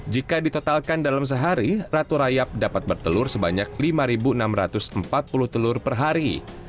jika ditotalkan dalam sehari ratu rayap dapat bertelur sebanyak lima enam ratus empat puluh telur per hari